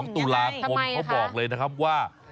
๒ตุลาคมเขาบอกเลยนะครับว่า